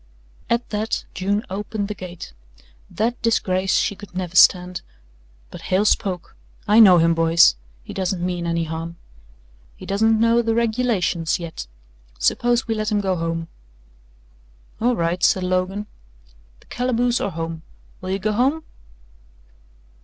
At that June opened the gate that disgrace she could never stand but Hale spoke. "I know him, boys. He doesn't mean any harm. He doesn't know the regulations yet. Suppose we let him go home." "All right," said Logan. "The calaboose or home. Will you go home?"